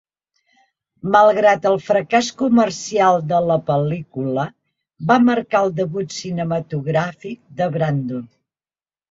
Malgrat el fracàs comercial de la pel·lícula, va marcar el debut cinematogràfic de Brando.